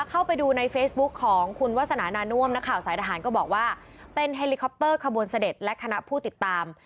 เข้าไปดูในเฟซบุ๊คของคุณวาสนานาน่วมนักข่าวสายทหารก็บอกว่าเป็นเฮลิคอปเตอร์ขบวนเสด็จและคณะผู้ติดตาม